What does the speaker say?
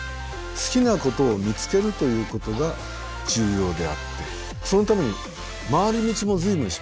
好きなことを見つけるということが重要であってそのために回り道も随分しました。